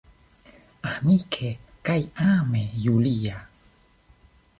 Amike kaj ame, Julia.